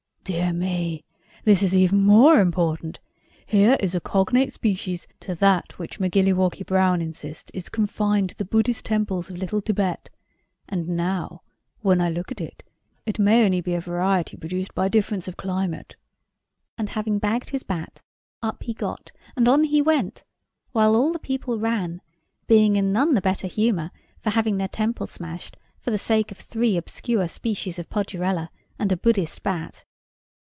"Dear me! This is even more important! Here is a cognate species to that which Macgilliwaukie Brown insists is confined to the Buddhist temples of Little Thibet; and now when I look at it, it may be only a variety produced by difference of climate!" And having bagged his bat, up he got, and on he went; while all the people ran, being in none the better humour for having their temple smashed for the sake of three obscure species of Podurella, and a Buddhist bat.